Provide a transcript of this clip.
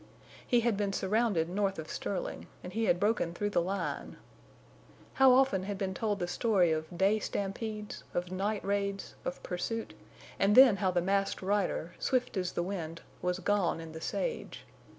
He had been surrounded north of Sterling; and he had broken through the line. How often had been told the story of day stampedes, of night raids, of pursuit, and then how the Masked Rider, swift as the wind, was gone in the sage!